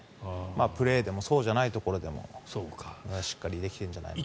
プレーでもそうじゃないところでもしっかりできてるんじゃないかなと。